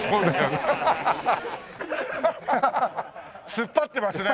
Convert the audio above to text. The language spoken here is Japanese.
突っ張ってますね。